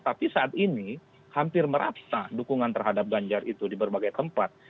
tapi saat ini hampir merata dukungan terhadap ganjar itu di berbagai tempat